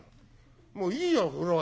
もういいよ風呂は。